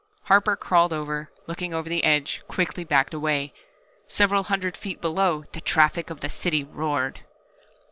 Harper crawled over, looked over the edge, quickly backed away. Several hundred feet below, the traffic of the city roared!